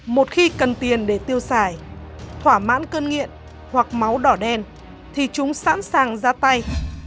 một khi cần tiền để tiêu xài thỏa mãn cơn nghiện hoặc máu đỏ đen thì chúng sẵn sàng ra tay